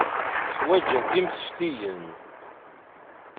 Ḥwaǧent imseftiyen.